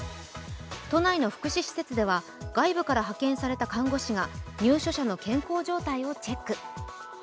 都内の福祉施設では、外部から派遣された看護師が入所者の健康状態をチェック。